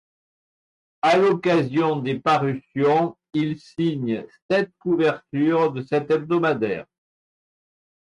À l'occasion des parutions, il signe sept couvertures de cet hebdomadaire.